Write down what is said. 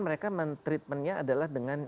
mereka treatmentnya adalah dengan